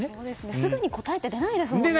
すぐに答えって出ないですもんね。